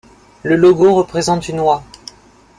Le logo représente une oie.